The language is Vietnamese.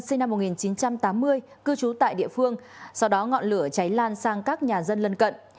sinh năm một nghìn chín trăm tám mươi cư trú tại địa phương sau đó ngọn lửa cháy lan sang các nhà dân lân cận